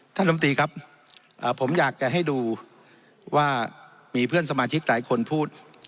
ลำตีครับผมอยากจะให้ดูว่ามีเพื่อนสมาชิกหลายคนพูด